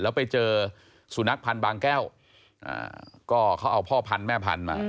แล้วไปเจอสุนัขพันธ์บางแก้วก็เขาเอาพ่อพันธุ์แม่พันธุ์มา